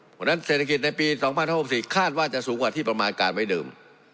เพราะฉะนั้นเศรษฐกิจในปี๒๐๖๔คาดว่าจะสูงกว่าที่ประมาณการไว้เดิม